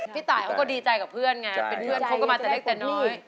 พี่ตายเขาก็ดีใจกับเพื่อนไงเป็นเพื่อนคบกันมาแต่เล็กแต่น้อย